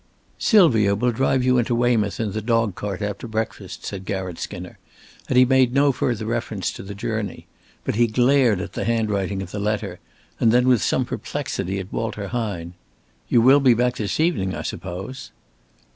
"Sylvia will drive you into Weymouth in the dog cart after breakfast," said Garratt Skinner, and he made no further reference to the journey. But he glared at the handwriting of the letter, and then with some perplexity at Walter Hine. "You will be back this evening, I suppose?"